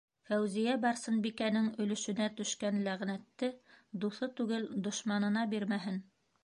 Фәүзиә-Барсынбикәнең өлөшөнә төшкән ләғнәтте дуҫы түгел, дошманына бирмәһен...